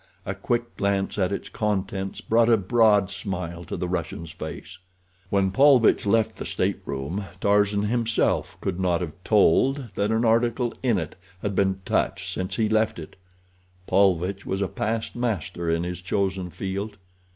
A quick glance at its contents brought a broad smile to the Russian's face. When he left the stateroom Tarzan himself could not have told that an article in it had been touched since he left it—Paulvitch was a past master in his chosen field.